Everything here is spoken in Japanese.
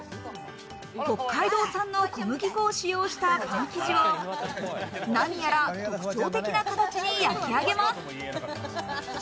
北海道産の小麦粉を使用したパン生地をなにやら特徴的な形に焼き上げます。